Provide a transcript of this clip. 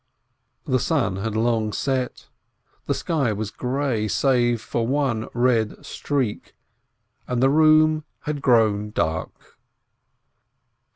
The sun had long set; the sky was grey, save for one red streak, and the room had grown dark.